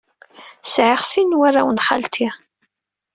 Sɛiɣ sin n warraw n xalti.